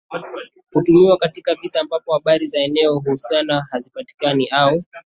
kutumiwa katika visa ambapo habari za eneo hususan hazipatikani au